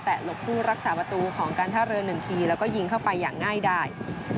แต่หลบผู้รักษาประตูของการท่าเรือ๑ทีแล้วก็ยิงเข้าไปอย่างง่ายได้